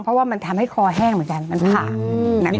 เพราะว่ามันทำให้คอแห้งเหมือนกันมันผ่า